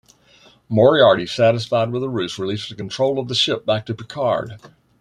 Moriarty, satisfied with the ruse, releases control of the ship back to Picard.